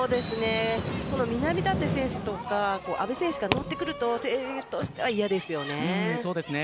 南舘選手とか阿部選手が乗ってくると誠英としては嫌ですよね。